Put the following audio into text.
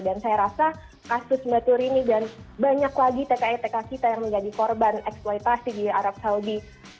dan saya rasa kasus mbak turini dan banyak lagi tki tki kita yang menjadi korban eksploitasi di arab saudi